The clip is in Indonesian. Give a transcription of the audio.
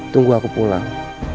tunggu aku pulang